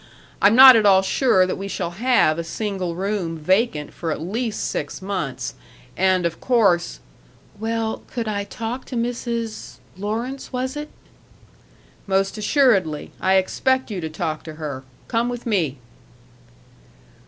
I'm not at all sure that we shall have a single room vacant for at least six months, and of course " "Well, could I talk to Mrs. Lawrence, was it?" "Most assuredly. I expect you to talk to her! Come with me."